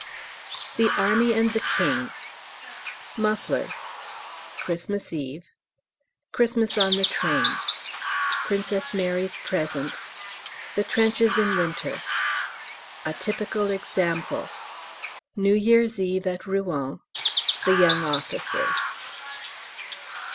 _ The Army and the King Mufflers Christmas Eve Christmas on the train Princess Mary's present The trenches in winter "A typical example" New Year's Eve at Rouen The young officers.